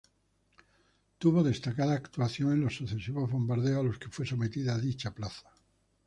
Tuvo destacada actuación en los sucesivos bombardeos a los que fue sometida dicha plaza.